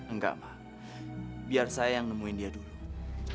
enggak mah biar saya yang nemuin dia dulu